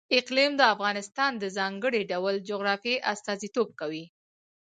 اقلیم د افغانستان د ځانګړي ډول جغرافیه استازیتوب کوي.